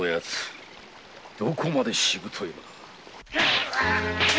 どこまでしぶといのだ。